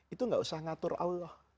itu gak usah ngatur allah